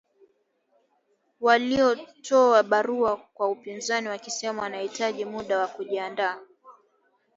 Walitoa barua kwa upinzani wakisema wanahitaji muda wa kujiandaa